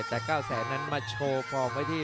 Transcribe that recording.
แต่๙แสนนั้นมาโชว์ฟอร์มไว้ที่